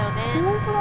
本当だ。